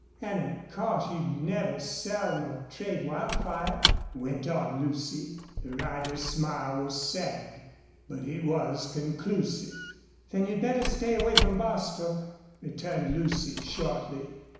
"And of course you'd never sell nor trade Wildfire?" went on Lucy. The rider's smile was sad, but it was conclusive. "Then you'd better stay away from Bostil," returned Lucy, shortly.